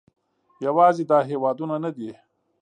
یوازې دا هېوادونه نه دي